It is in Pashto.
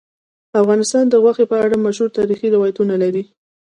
افغانستان د غوښې په اړه مشهور تاریخی روایتونه لري.